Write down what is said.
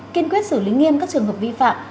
kiên quyết xử lý nghiêm các trường hợp vi phạm